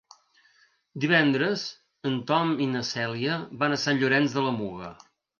Divendres en Tom i na Cèlia van a Sant Llorenç de la Muga.